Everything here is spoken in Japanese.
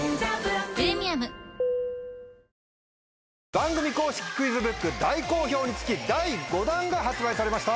番組公式クイズブック大好評につき第５弾が発売されました。